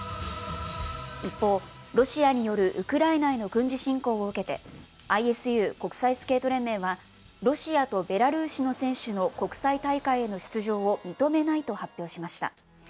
一方、ロシアによるウクライナへの軍事侵攻を受けて、ＩＳＵ・国際スケート連盟は、ロシアとベラルーシの選手の国際大会への出場を認めないと発表しました。